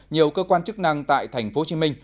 nhiều cơ quan chức năng tại tp hcm